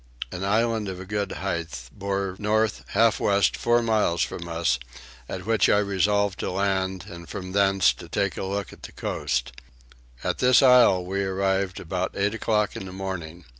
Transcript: An island of a good height bore north half west four miles from us, at which I resolved to land and from thence to take a look at the coast. At this isle we arrived about eight o'clock in the morning.